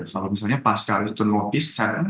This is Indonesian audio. kalau misalnya pas kalian sudah notice